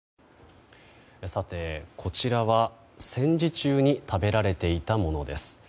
さて、こちらは戦時中に食べられていたものです。